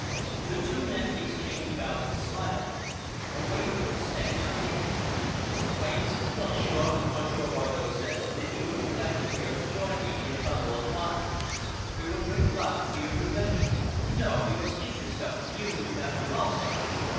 The two men exchanged bows and smiles. A waiter was standing near. "I insist, Monsieur," Monsieur Bardow said, "that you and your nephew here join me in a bottle of wine. We will drink luck to your new venture. No! you must seat yourself, you and your nephew also!"